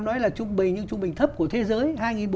nói là trung bình như trung bình thấp của thế giới